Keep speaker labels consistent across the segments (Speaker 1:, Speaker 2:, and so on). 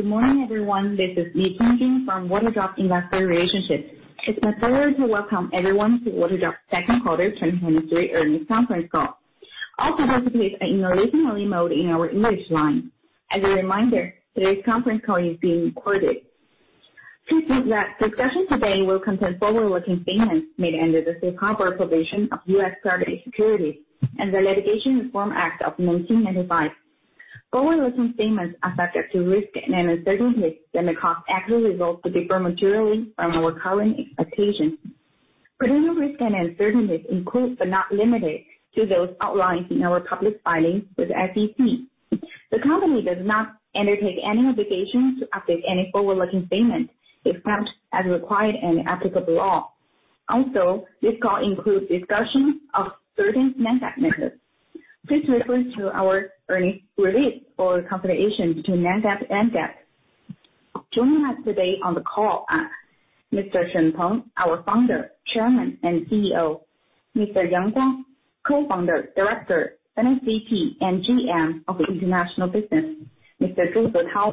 Speaker 1: Good morning, everyone. This is Xiaojin Niu from Waterdrop Investor Relations. It's my pleasure to welcome everyone to Waterdrop's second quarter 2023 earnings conference call. I'll participate in a listen-only mode in our English line. As a reminder, today's conference call is being recorded. To note that discussions today will contain forward-looking statements made under the safe harbor provision of the U.S. Private Securities Litigation Reform Act of 1995. Forward-looking statements involve risks and uncertainties that may cause actual results to differ materially from our current expectations. Potential risks and uncertainties include, but are not limited to, those outlined in our public filings with the SEC. The company does not undertake any obligation to update any forward-looking statements, except as required by applicable law. Also, this call includes discussion of certain non-GAAP measures. Please refer to our earnings release for the reconciliation between non-GAAP and GAAP. Joining us today on the call are: Mr. Shen Peng, our founder, chairman, and CEO; Mr. Yang Guang, co-founder, director, SVP, and GM of International Business; Mr. Zhu Zhetao,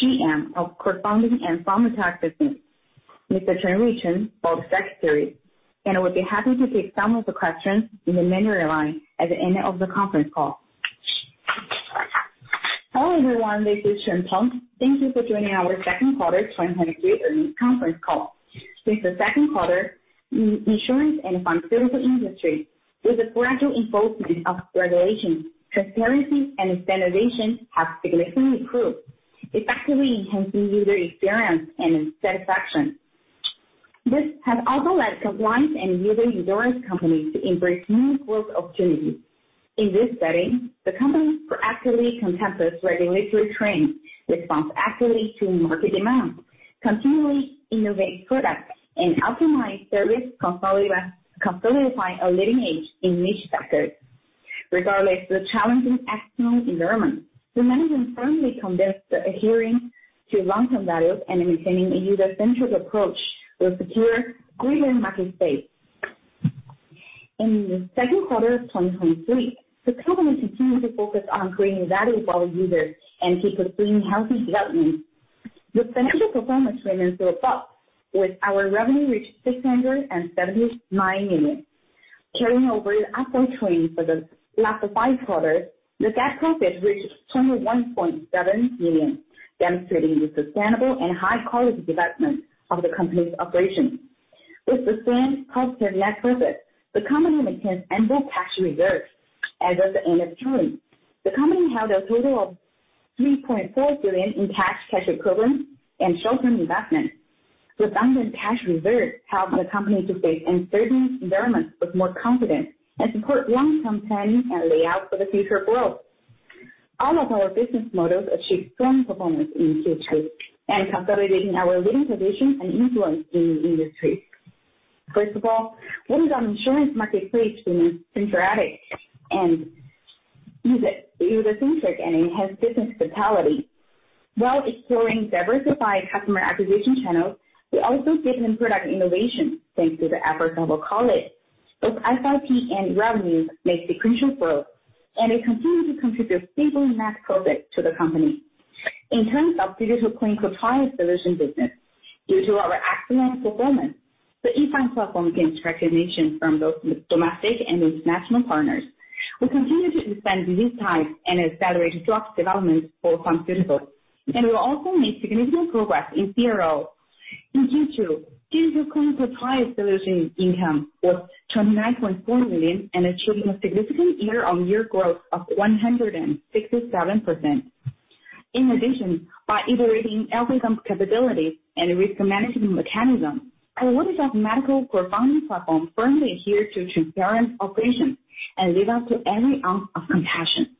Speaker 1: GM of Crowdfunding and Pharmatech Business; Mr. Chen Rui, Board Secretary. I would be happy to take some of the questions in the narrative line at the end of the conference call. Hello, everyone. This is Shen Peng. Thank you for joining our second quarter 2023 earnings conference call. Since the second quarter, in insurance and the pharmaceutical industry, due to the gradual enforcement of regulations, transparency, and standardization have significantly improved, effectively enhancing user experience and satisfaction. This has also led to compliance and user-endorsed companies to embrace new growth opportunities. In this setting, the company proactively complies with regulatory requirements, responds actively to market demand, continually innovates products, and optimizes service consolidation by targeting age in niche sectors. Regardless of the challenging external environment, the management firmly commits to adhering to long-term values and maintaining a user-centric approach to secure greater market space. In the second quarter of 2023, the company continues to focus on creating value for all users and keep pursuing healthy health needs. The financial performance remains so far, with our revenue reaching 679 million. Carrying over its profitability for the last five quarters, the net profit reached 21.7 million, demonstrating the sustainable and high-quality development of the company's operations. With sustained positive net profits, the company maintains ample cash reserves. As of the end of June, the company held a total of 3.4 billion in cash equivalents and short-term investments. Abandant cash reserves help the company to face uncertain environments with more confidence and support long-term planning and layout for the future growth. All of our business models achieve strong performance in the future and consolidate our leading positions and influence in the industry. First of all, Waterdrop Insurance Marketplace remains symbiotic and user-centric and enhances business vitality. While securing diversified customer acquisition channels, we also deepen product innovation thanks to the efforts of our colleagues. Both FYP and revenue make sequential growth, and they continue to contribute a stable net profit to the company. In terms of digital clinical trial solution business, due to our excellent performance, the E-Find Patient Platform gains recognition from both domestic and international partners. We continue to expand disease types and accelerate drug development for pharmaceuticals, and we also made significant progress in CRO due to digital clinical trial solution income of 29.4 million and achieving a significant year-on-year growth of 167%. In addition, by iterating algorithm capabilities and risk management mechanisms, our Waterdrop medical crowdfunding platform firmly adheres to transparent operations and lives up to every ounce of compassion.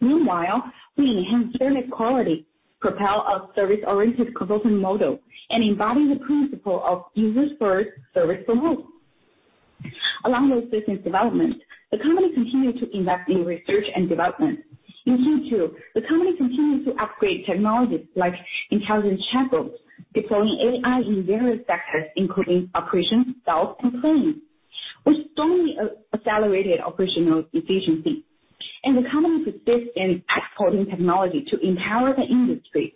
Speaker 1: Meanwhile, we enhance service quality, propel a service-oriented consultant model, and embody the principle of user-first, service-first. Along those business developments, the company continues to invest in research and development. In future, the company continues to upgrade technologies like intelligent chatbots, deploying AI in various sectors, including operations, sales, and claims, which strongly accelerated operational efficiency. The company persists in exporting technology to empower the industry.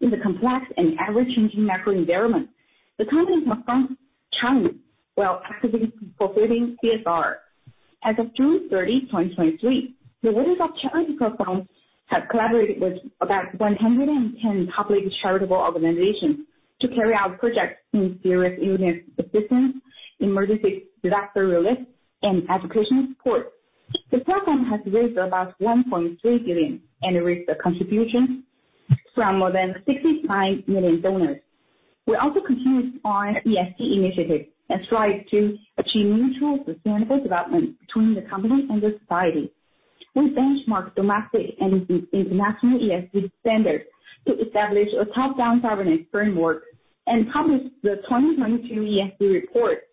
Speaker 1: In the complex and ever-changing macro environment, the company must confront challenges while actively fulfilling CSR. As of June 30, 2023, the Waterdrop Charity platform has collaborated with about 110 public charitable organizations to carry out projects in serious illness assistance, emergency disaster relief, and educational support. The platform has raised about $1.3 billion in raised contributions from more than 65 million donors. We also continue to fund ESG initiatives and strive to achieve mutual sustainable development between the company and society. We benchmark domestic and international ESG standards to establish a top-down governance framework and publish the 2022 ESG report.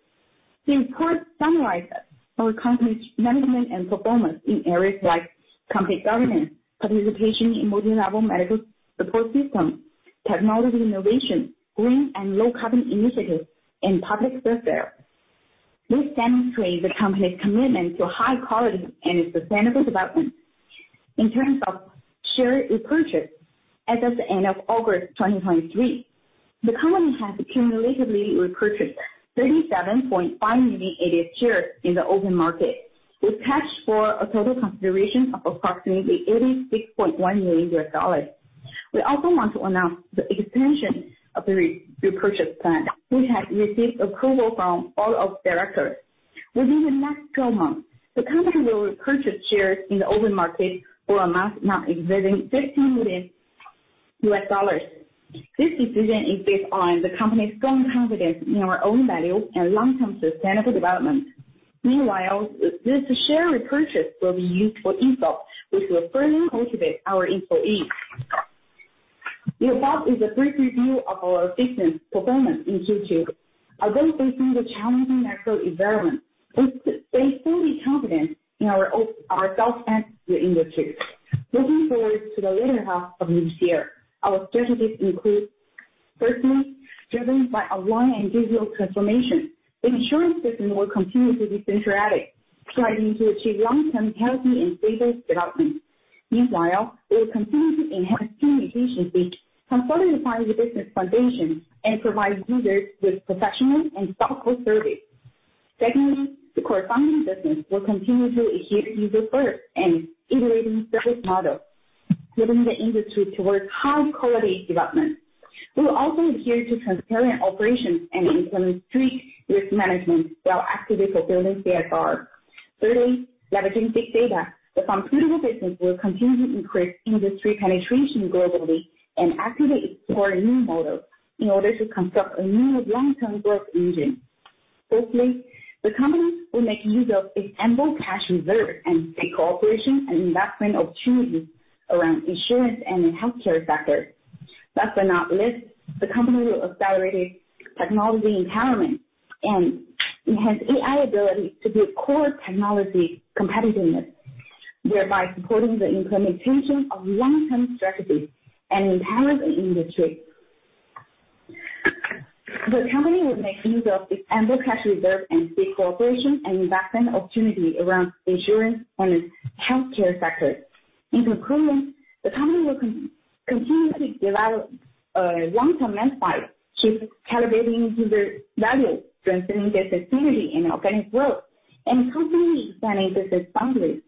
Speaker 1: The report summarizes our company's management and performance in areas like company governance, participation in multilevel medical support systems, technology innovation, green and low-carbon initiatives, and public success. This demonstrates the company's commitment to high-quality and sustainable development. In terms of share repurchase, as of the end of August 2023, the company has cumulatively repurchased 37.5 million ADSs in the open market, with cash for a total consideration of approximately $86.1 million. We also want to announce the extension of the repurchase plan. We have received approval from all of directors. Within the next 12 months, the company will repurchase shares in the open market for amoount not exceeding $15 million. This decision is based on the company's firm confidence in our own values and long-term sustainable development. Meanwhile, this share repurchase will be used for ESOP, which will further motivate our employees. Above is a brief review of our business performance in future. As they face the challenging external environment, they stay solidly confident in ourselves and the industry. This refers to the latter half of this year. Our strategies include: firstly, driven by AI and digital transformation, the insurance business will continue to be centralized, striving to achieve long-term healthy and stable development. Meanwhile, it will continue to enhance team efficiency, consolidate the business foundation, and provide users with professional and thoughtful service. Secondly, the crowdfunding business will continue to adhere to user-first and iterating service models, driving the industry towards high-quality development. We will also adhere to transparent operations and implement strict risk management while actively fulfilling CSR. Thirdly, leveraging big data, the Pharmatech business will continue to increase industry penetration globally and actively explore new models in order to construct a new long-term growth engine. Fourthly, the company will make use of its ample cash reserves and take cooperation and investment opportunities around insurance and the healthcare sector. Last but not least, the company will accelerate technology empowerment and enhance AI abilities to build core technology competitiveness, thereby supporting the implementation of long-term strategies and empowering the industry. The company will make use of its ample cash reserves and seek cooperation and investment opportunities around insurance and the healthcare sector. In conclusion, the company will continuously develop long-term net profits, keep creating user values, strengthening their sustainability in an organic growth, and continually expanding business boundaries.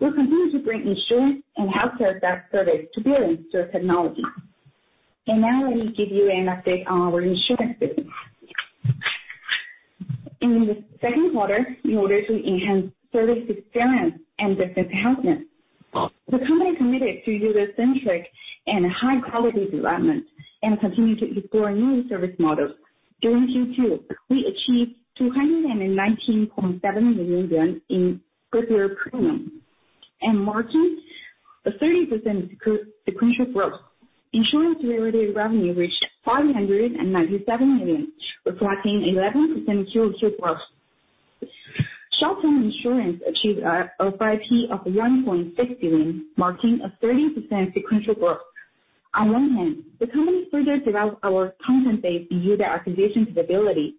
Speaker 1: We'll continue to bring insurance and healthcare services to bear through technology. And now I'll give you an update on our insurance business. In the second quarter, in order to enhance service experience and business healthiness, the company committed to user-centric and high-quality development and continued to explore new service models. During the quarter, we achieved $219.7 million in first-year premiums, marking a 30% sequential growth. Insurance-related revenue reached $597 million, reflecting 11% Q3 growth. Short-term insurance achieved a FYP of $1.6 billion, marking a 30% sequential growth. On one hand, the company further developed our content-based user acquisition capability.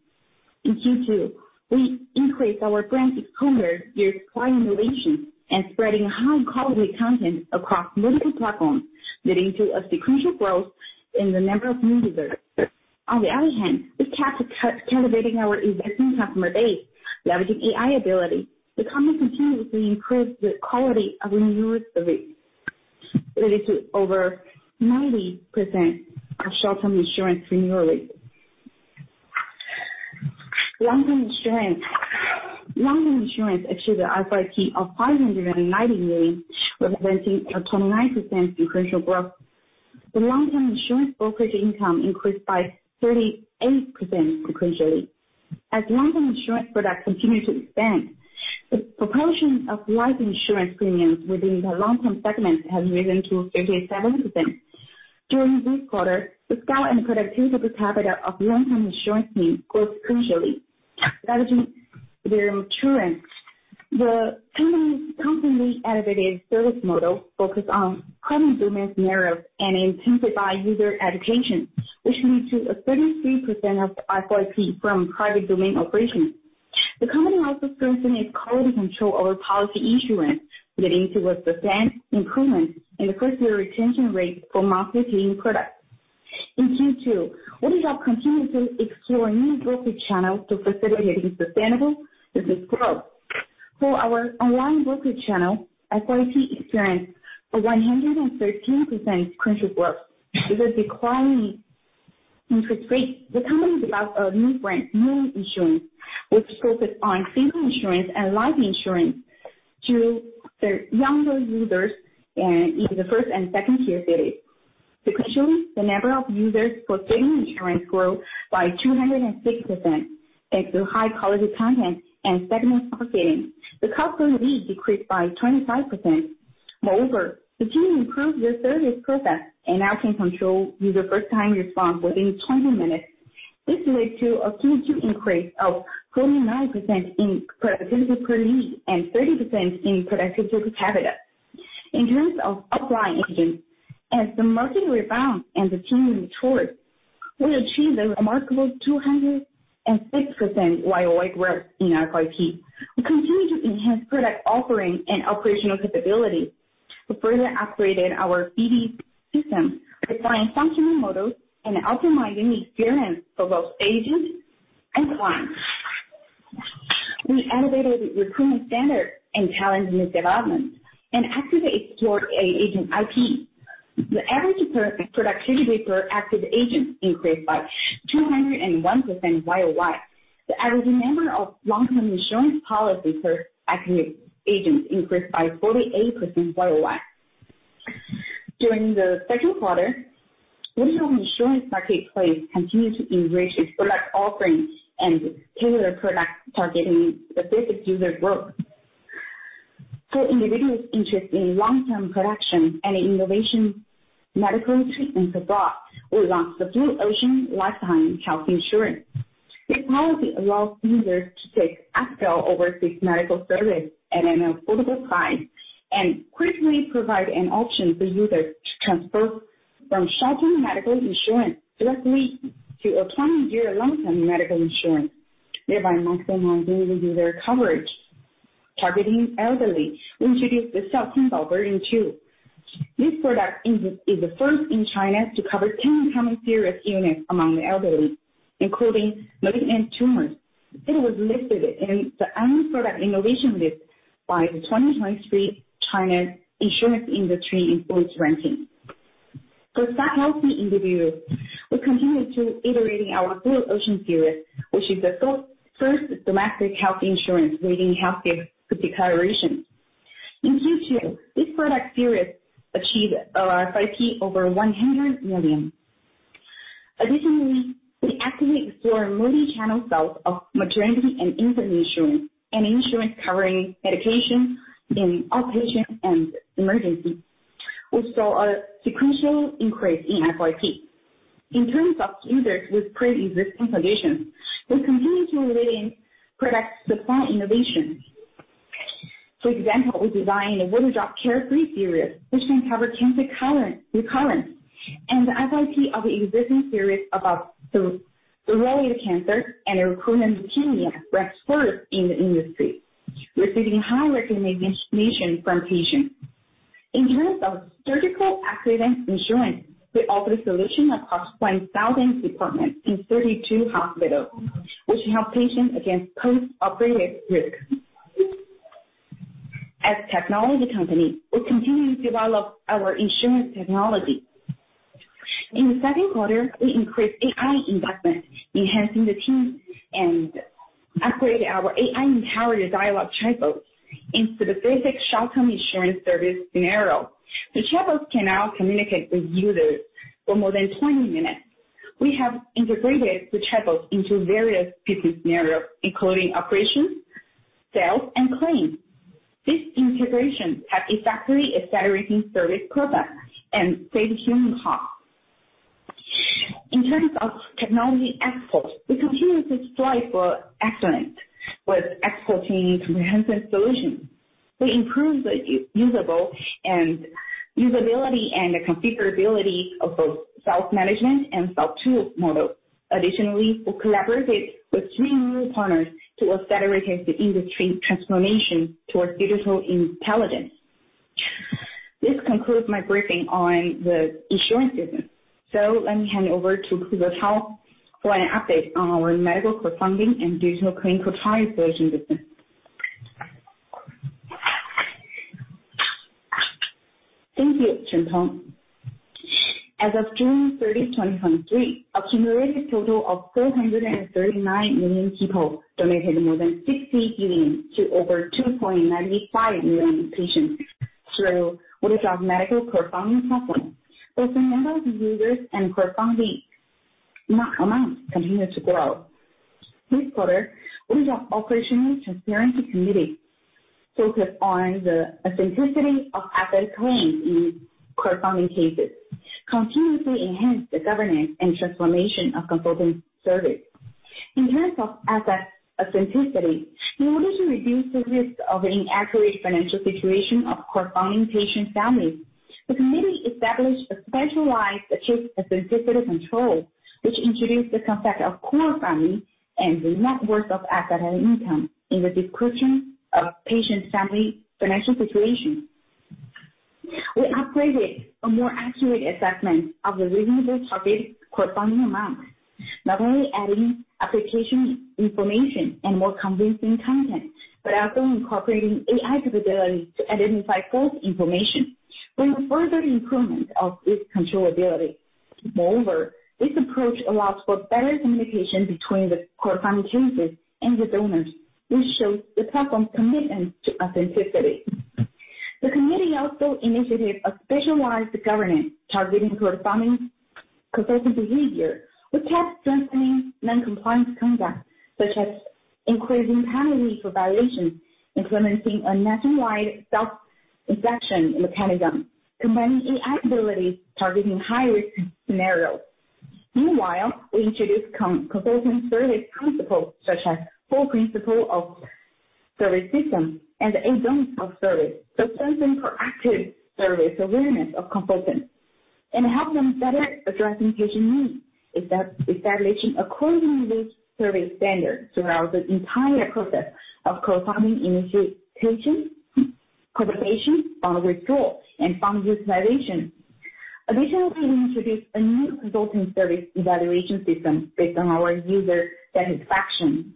Speaker 1: In Q2, we increased our brand awareness through client innovation and spreading high-quality content across multiple platforms, leading to a sequential growth in the number of new users. On the other hand, this captured creating our investment customer base, leveraging AI ability. The company continuously increased the quality of renewal rates, leading to over 90% of short-term insurance renewal rates. Long-term insurance achieved a FYP of 590 million, representing a 29% sequential growth. The long-term insurance brokerage income increased by 38% sequentially. As long-term insurance products continue to expand, the proportion of life insurance premiums within the long-term segments has risen to 37%. During this quarter, the scale and predictability of the capital of the long-term insurance team grew crucially, leveraging their maturity. The company's constantly elevated service model focused on private domain scenarios and intensified user adaptation, which led to a 33% of FYP from private domain operations. The company also strengthened its quality control over policy issuance, leading to a sustained improvement in the first-year retention rate for marketing products. In Q2, Waterdrop continues to explore new brokerage channels to facilitate its sustainable business growth. For our online brokerage channel, FYP experienced a 113% sequential growth. With a declining interest rate, the company developed a new brand, New Insurance, which focused on family insurance and life insurance to serve younger users in the first and second-tier cities. Sequentially, the number of users for family insurance grew by 260%. Due to high-quality content and segment marketing, the cost per lead decreased by 25%. Moreover, the team improved their service process and now can control users' first-time response within 20 minutes. This led to a Q2 increase of 29% in productivity per lead and 30% in productivity per capita. In terms of upline agents, as the market rebounds and the team matures, we achieved a remarkable 206% YOY growth in ISRP. We continue to enhance product offering and operational capabilities. We further upgraded our BD system, refining functional models and optimizing the experience for both agents and clients. We elevated the recruitment standards and challenged new developments and actively explored agent IP. The average productivity per active agent increased by 201% YOY. The average number of long-term insurance policy per active agent increased by 48% YOY. During the second quarter, Waterdrop Insurance Marketplace continued to enrich its product offering and tailor product targeting specific user groups. For individuals interested in long-term production and innovation medical treatment products, we launched the Blue Ocean Lifetime Health Insurance. This policy allows users to take escrow over fixed medical services at an affordable price and quickly provide an option for users to transfer from short-term medical insurance directly to a 20-year long-term medical insurance, thereby maximizing the user coverage. Targeting elderly, we introduced the Shouhuxing in June. This product is the first in China to cover 10 common serious illnesses among the elderly, including malignant tumors. It was listed in the unlimited product innovation list by the 2023 China Insurance Industry Influence Ranking. For sub-healthy individuals, we continued to iterate our Blue Ocean series, which is the first domestic health insurance leading healthcare declaration. In future, this product series achieved a FYP of over 100 million. Additionally, we actively explore multi-channel sales of maternity and infant insurance and insurance covering medication, outpatient, and emergency, which saw a sequential increase in FYP. In terms of users with pre-existing conditions, we continue to rate products to find innovation. For example, we designed the Waterdrop Care 3 series, which can cover cancer recurrence and the FYP of the existing series above the related cancers and recurrent leukemia ranks first in the industry, receiving high recognition from patients. In terms of surgical accident insurance, we offer a solution across 20,000 departments in 32 hospitals, which helps patients against post-operative risks. As a technology company, we continue to develop our insurance technology. In the second quarter, we increased AI investment, enhancing the team, and upgraded our AI-empowered dialogue chatbots into the basic short-term insurance service scenarios. The chatbots can now communicate with users for more than 20 minutes. We have integrated the chatbots into various business scenarios, including operations, sales, and claims. This integration has effectively accelerated service products and saved human costs. In terms of technology exports, we continue to strive for excellence with exporting comprehensive solutions. We improved the usability and configurability of both self-management and self-tool models. Additionally, we collaborated with three new partners to accelerate the industry transformation towards digital intelligence. This concludes my briefing on the insurance business. Let me hand over to Zhu Zhetao for an update on our medical crowdfunding and digital clinical trial solution business. Thank you, Shen Peng. As of June 30, 2023, a cumulative total of 439 million people donated more than 60 billion to over 2.95 million patients through Waterdrop Medical Crowdfunding platforms. The financial users and crowdfunding amounts continue to grow. This quarter, Waterdrop Operational Transparency Committee focused on the authenticity of asset claims in crowdfunding cases, continuously enhancing the governance and transformation of consulting services. In terms of case authenticity, in order to reduce the risk of an inaccurate financial situation of crowdfunding patients' families, the committee established a specialized case authenticity control, which introduced the concept of crowdfunding and the net worth and family income in the description of patients' family financial situations. We upgraded to a more accurate assessment of the reasonable target crowdfunding amount, not only adding application information and more convincing content, but also incorporating AI capability to identify false information for further improvement of its controllability. Moreover, this approach allows for better communication between the crowdfunding cases and the donors. This shows the platform's commitment to authenticity. The committee also initiated a specialized governance targeting crowdfunding conversion behavior, which helps strengthen non-compliance conduct, such as increasing penalty for violations, implementing a nationwide self-inspection mechanism, combining AI abilities targeting high-risk scenarios. Meanwhile, we introduced conversion service principles, such as the full principle of service system and the aidance of service, so strengthening proactive service awareness of consultants. And helping them better address patient needs is establishing accordingly serviced standards throughout the entire process of crowdfunding initiation, publication, withdrawal, and fund utilization. Additionally, we introduced a new consulting service evaluation system based on our user satisfaction.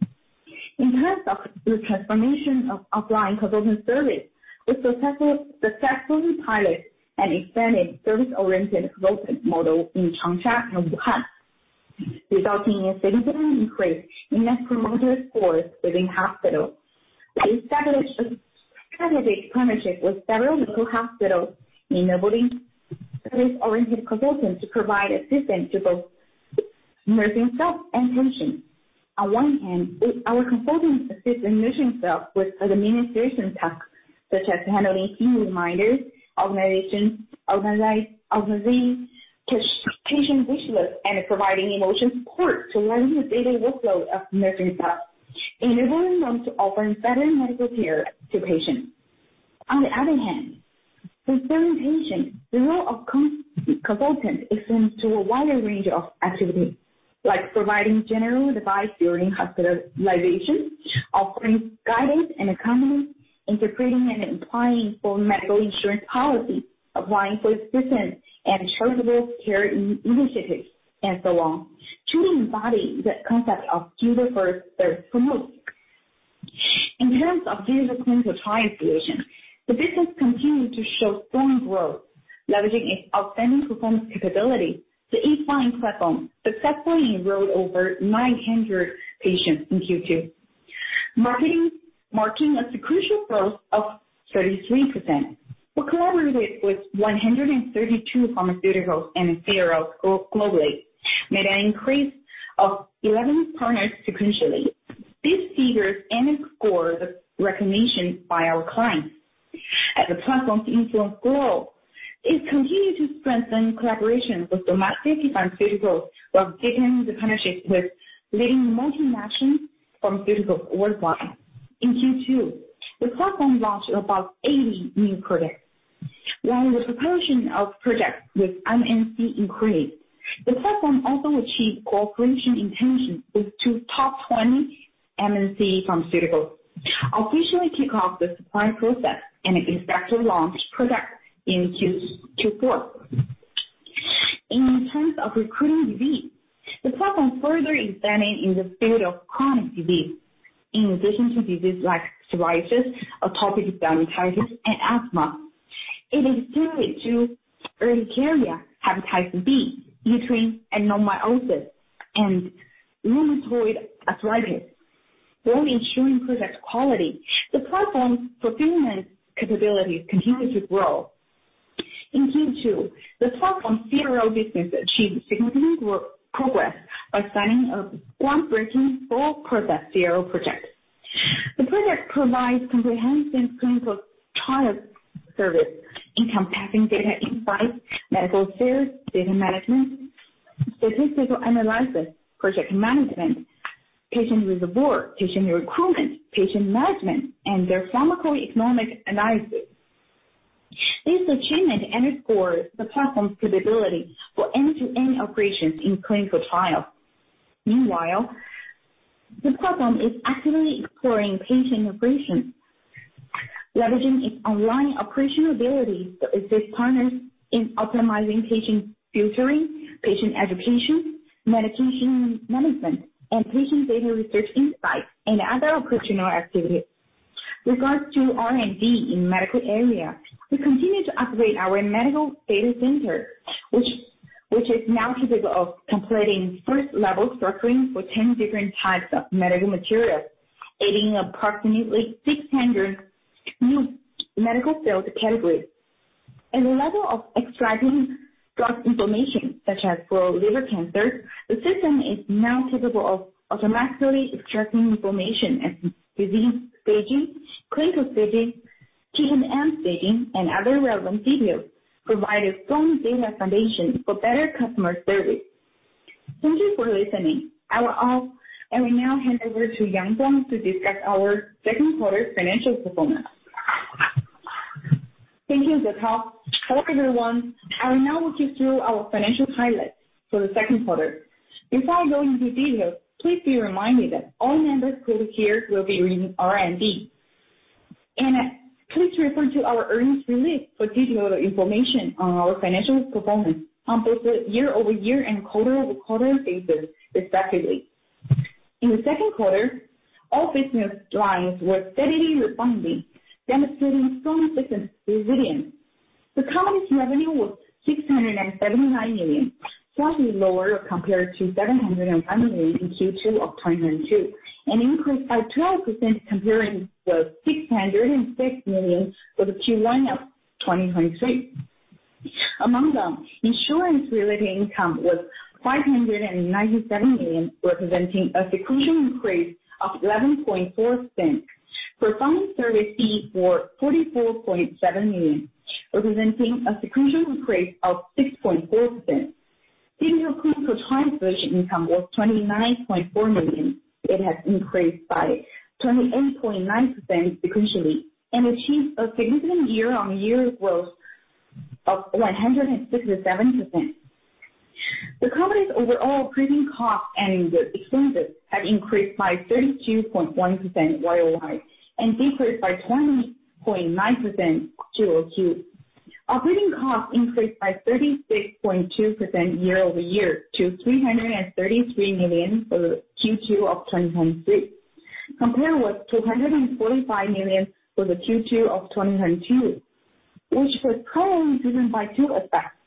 Speaker 1: In terms of the transformation of offline consulting service, we successfully piloted an expanded service-oriented consultant model in Changsha and Wuhan, resulting in a significant increase in net promoter scores within hospitals. We established a strategic partnership with several local hospitals, enabling service-oriented consultants to provide assistance to both nursing staff and patients. On one hand, our consultants assist nursing staff with administration tasks, such as handling team reminders, organizing patient visits and providing emotional support to learn the daily workload of nursing staff, enabling them to offer better medical care to patients. On the other hand, concerning patients, the role of consultants extends to a wider range of activities, like providing general advice during hospitalization, offering guidance and accounting, interpreting and applying full medical insurance policies, applying for assistance and charitable care initiatives, and so on, truly embodying the concept of "do the first, serve the first." In terms of digital clinical trial solutions, the business continued to show strong growth, leveraging its outstanding performance capabilities. The E-Find platform successfully enrolled over 900 patients in Q2. Marketing marked a sequential growth of 33%. We collaborated with 132 pharmaceuticals and CROs globally, made an increase of 11 partners sequentially. These figures enhanced the score of recognition by our clients. As the platform's influence grew, it continued to strengthen collaboration with domestic pharmaceuticals while deepening the partnership with leading multinational pharmaceuticals worldwide. In Q2, the platform launched about 80 new products. Along with the proportion of products with MNC increased, the platform also achieved cooperation intention with two top 20 MNC pharmaceuticals, officially kicked off the supply process, and it successfully launched products in Q4. In terms of recruiting disease, the platform further expanded in the field of chronic disease. In addition to diseases like psoriasis, atopic dermatitis, and asthma, it extended to urticaria, hepatitis B, arteritis, adenomyosis, and rheumatoid arthritis. While ensuring product quality, the platform's fulfillment capabilities continued to grow. In Q2, the platform's CRO business achieved significant progress by signing a groundbreaking four-product CRO project. The project provides comprehensive clinical trial service encompassing data advice, medical service, data management, statistical analysis, project management, patient reservoir, patient recruitment, patient management, and their pharmacoeconomic analysis. These achievements enhance the platform's capability for end-to-end operations in clinical trials. Meanwhile, the platform is actively exploring patient integration, leveraging its online operational abilities to assist partners in optimizing patient filtering, patient education, medication management, and patient data research insights in other opportunistic activities. With regards to R&D in the medical area, we continue to operate our medical data center, which is now capable of completing first-level filtering for 10 different types of medical materials, aiding approximately 600 new medical field categories. At the level of extracting drug information, such as for liver cancers, the system is now capable of automatically extracting information as to disease staging, clinical staging, TNM staging, and other relevant details, providing a strong data foundation for better customer service. Thank you for listening. I will now hand over to Yang Guang to discuss our second quarter financial performance. Thank you, Zhu Zhetao. Hello everyone. I will now walk you through our financial highlights for the second quarter. Before I go into detail, please be reminded that all metrics included here will be reported under GAAP. Please refer to our earnings release for detailed information on our financial performance on both the year-over-year and quarter-over-quarter basis, respectively. In the second quarter, all business lines were steadily recovering, demonstrating strong resilience. The company's revenue was 679 million, slightly lower compared to 700 million in Q2 of 2022, an increase of 12% comparing the 606 million for the Q1 of 2023. Among them, insurance-related income was CNY 597 million, representing a sequential increase of 11.0%. Platform service fees were CNY 44.7 million, representing a sequential increase of 6.0%. Digital clinical trial division income was 29.4 million. It has increased by 28.9% sequentially and achieved a significant year-on-year growth of 157%. The company's overall operating costs and expenses had increased by 32.1% year-over-yearand decreased by 20.9% Q2. Operating costs increased by 36.2% year-over-year to 333 million for Q2 of 2023, compared with 245 million for the Q2 of 2022, which was probably driven by two aspects: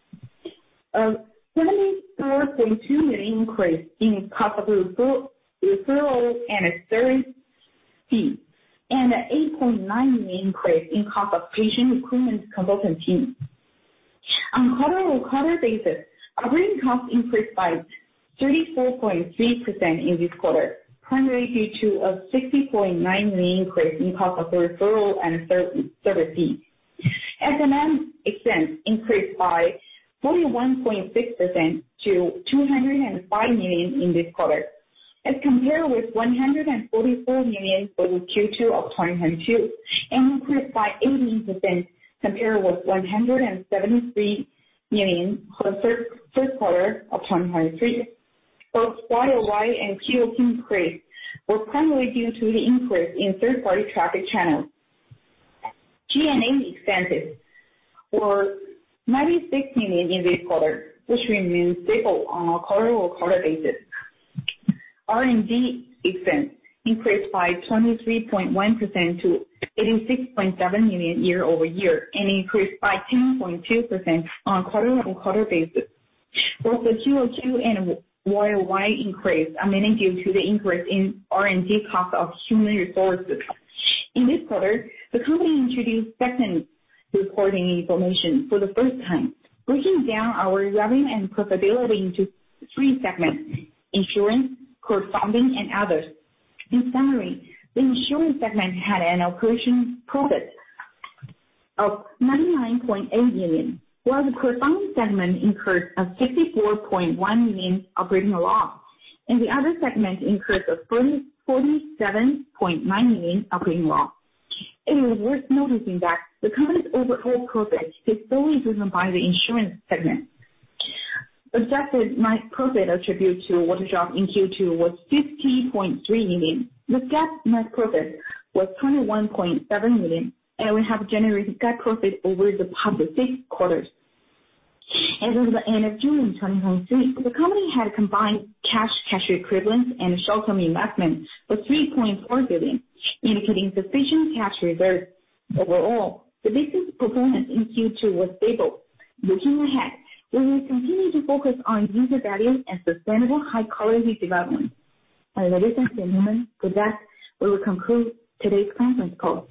Speaker 1: a 73.2 million increase in cost of referral and service fees, and a 8.9 million increase in cost of patient recruitment consultant teams. On a quarter-over-quarter basis, operating costs increased by 34.3% in this quarter, primarily due to a 60.9 million increase in cost of the referral and service fees. S&M expense increased by 41.6% to 205 million in this quarter, as compared with 144 million for Q2 of 2022 and increased by 18% compared with 173 million for the first quarter of 2023. Both worldwide and Q2 increases were primarily due to the increase in third-party traffic channels. G&A expenses were CNY 96 million in this quarter, which remained stable on a quarter-over-quarter basis. R&D expense increased by 23.1% to 86.7 million year-over-year and increased by 10.2% on a quarter-over-quarter basis. Both the Q2 and worldwide increases are mainly due to the increase in R&D costs of human resources. In this quarter, the company introduced segment reporting information for the first time, breaking down our revenue and profitability into three segments: insurance, crowdfunding, and others. In summary, the insurance segment had an operating profit of 99.8 million, while the crowdfunding segment increased by 64.1 million operating loss, and the other segment increased by 47.9 million operating loss. It is worth noting that the company's overall profit is solely driven by the insurance segment. The net profit attributed to Waterdrop in Q2 was 50.3 million. The net profit was 21.7 million, and it will have generated net profit over the past six quarters. As of the end of June 2023, the company had a combined cash and cash equivalents and short-term investments of CNY 3.4 billion, indicating sufficient cash reserves. Overall, the business performance in Q2 was stable. Looking ahead, we will continue to focus on user value and sustainable high-quality development. I'm operator. Good luck. We will conclude today's panel call.